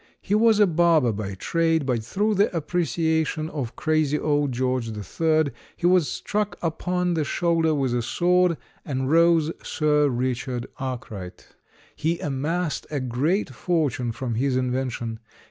He was a barber by trade, but through the appreciation of crazy old George III., he was struck upon the shoulder with a sword and rose Sir Richard Arkwright. He amassed a great fortune from his invention.